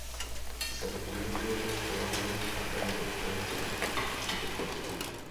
Jsem uvězněn v lavině a nemohu utéci před skutečností.